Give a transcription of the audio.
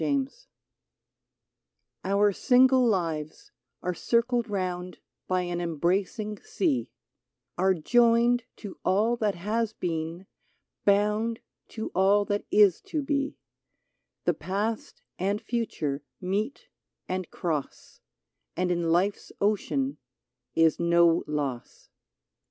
UNITED /^UR single lives are circled round By an embracing sea ; Are joined to all that has been, bound To all that is to be : The past and future meet and cross, And in life's ocean is no loss.